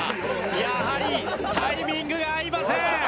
やはりタイミングが合いません。